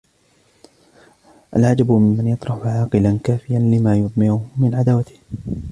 الْعَجَبُ مِمَّنْ يَطْرَحُ عَاقِلًا كَافِيًا لِمَا يُضْمِرُهُ مِنْ عَدَاوَتِهِ